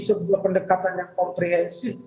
sebuah pendekatan yang komprehensif